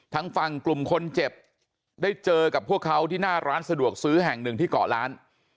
ทางฝั่งกลุ่มคนเจ็บได้เจอกับพวกเขาที่หน้าร้านสะดวกซื้อแห่งหนึ่งที่เกาะล้าน